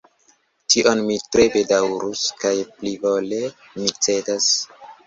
Tion mi tre bedaŭrus, kaj plivole mi cedas.